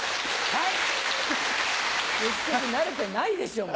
はい！